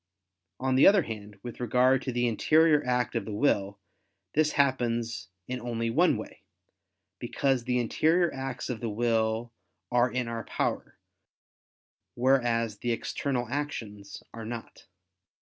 On the other hand, with regard to the interior act of the will, this happens in only one way: because the interior acts of the will are in our power, whereas the external actions are not.